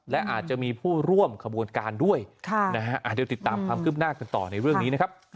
และอาจจะมีผู้ร่วมขบวนการด้วยนะฮะเดี๋ยวติดตามความคืบหน้ากันต่อในเรื่องนี้นะครับ